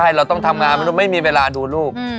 ใช่เราต้องทำงานไม่มีเวลาดูลูก